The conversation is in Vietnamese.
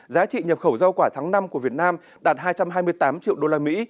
giá trị nhập khẩu rau quả tháng năm của việt nam đạt hai trăm hai mươi tám triệu đô la mỹ